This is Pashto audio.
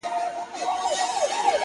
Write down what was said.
ستا مين درياب سره ياري کوي،